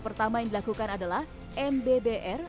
pertama yang dilakukan adalah mbbr